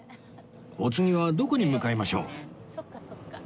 お次はどこに向かいましょう？